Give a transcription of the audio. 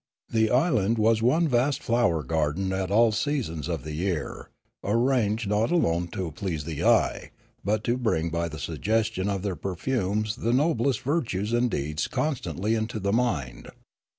The island was one vast flower garden at all seasons of the year, arranged not alone to please the eye, but to bring by the suggestion of their perfumes the noblest virtues and deeds constantly into the mind.